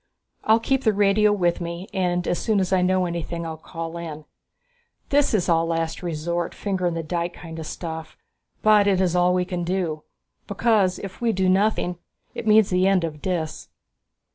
I'll keep the radio with me and as soon as I know anything I'll call in. This is all last resort, finger in the dike kind of stuff, but it is all we can do. Because if we do nothing, it means the end of Dis."